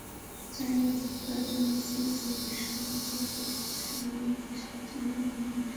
চাই আমার কাজের মাধ্যমে পুরো বিশ্ব আমার দেশকে চিনুক, বাংলাদেশকে জানুক।